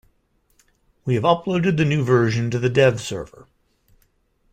We have uploaded the new version to the Dev server.